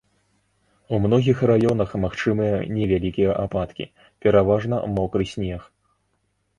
У многіх раёнах магчымыя невялікія ападкі, пераважна мокры снег.